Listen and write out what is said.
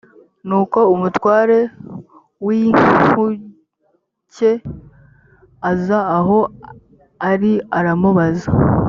nuko umutware w inkuge aza aho ari aramubaza